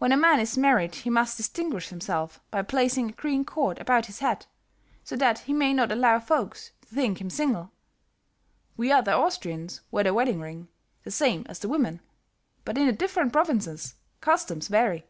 When a man is married he must distinguish himself by placing a green cord about his hat, so that he may not allow folks to think him single; we other Austrians wear the wedding ring, the same as the women; but in the different provinces, customs vary."